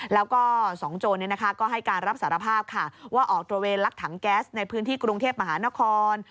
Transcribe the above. แล้วก็สองโจรก็ให้การรับสารภาพค่ะว่าออกตระเวนลักถังแก๊สในพื้นที่กรุงเทพมหานคร